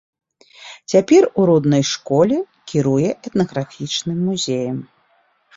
Цяпер у роднай школе кіруе этнаграфічным музеем.